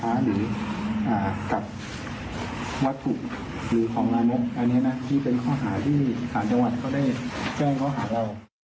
อันนี้นะที่เป็นข้อหาที่ฐานจังหวัดเขาได้แจ้งข้อหาเรา